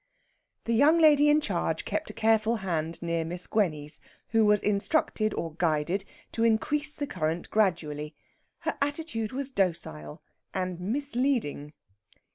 The young lady in charge kept a careful hand near Miss Gwenny's, who was instructed or guided to increase the current gradually. Her attitude was docile and misleading.